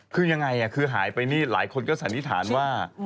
คือยังไงคือหายไปนี่หลายคนก็สันนิษฐานว่า